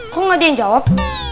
kok gak dia yang jawab